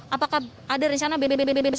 apakah ada rencana bbb bbb